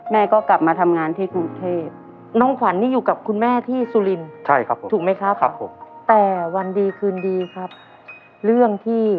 แม่ก็กลับมาทำงานที่กรุงเทพฯ